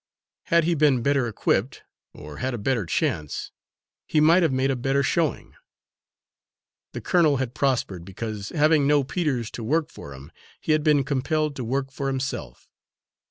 Had he been better equipped, or had a better chance, he might have made a better showing. The colonel had prospered because, having no Peters to work for him, he had been compelled to work for himself.